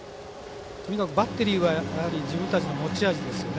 バッテリーは自分たちの持ち味ですよね。